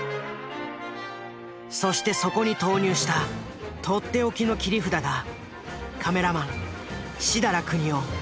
そしてそこに投入した取って置きの切り札が当時２９歳。